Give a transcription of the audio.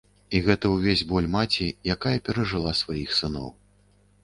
І гэты ўвесь боль маці, якая перажыла сваіх сыноў.